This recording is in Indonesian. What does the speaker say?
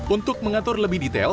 untuk mengatur lebih detail